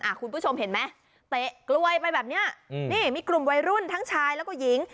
คุณผู้ชมเห็นไหมเตะกล้วยไปแบบเนี้ยอืมนี่มีกลุ่มวัยรุ่นทั้งชายแล้วก็หญิง